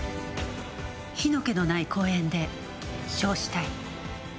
火の気のない公園で焼死体。